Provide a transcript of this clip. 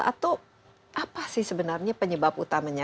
atau apa sih sebenarnya penyebab utamanya